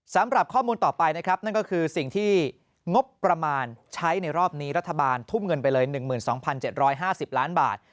สำหรับข้อมูลต่อไปนะครับนั่นก็คือสิ่งที่งบประมาณใช้ในรอบนี้รัฐบาลทุ่มเงินไปเลย๑๒๗๕๐ล้านบาท